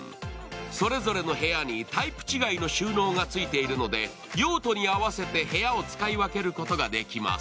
それぞれの部屋にタイプ違いの収納がついているので、用途に合わせて部屋を使い分けることができます。